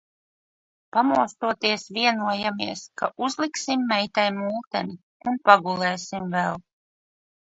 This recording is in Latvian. Pamostoties vienojamies, ka uzliksim meitai multeni un pagulēsim vēl.